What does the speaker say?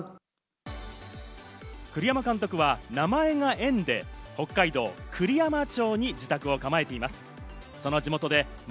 栗山監督は名前が縁で北海道・栗山町に自宅を構えています。